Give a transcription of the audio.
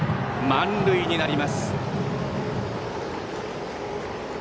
満塁になります。